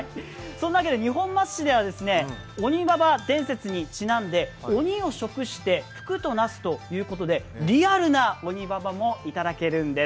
二本松市では鬼婆伝説にちなんで鬼を食して福となすということでリアルな鬼婆もいただけるんです。